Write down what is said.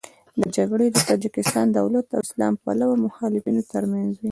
دا جګړې د تاجکستان دولت او اسلام پلوه مخالفینو تر منځ وې.